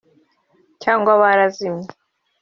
cyangwa barazimiye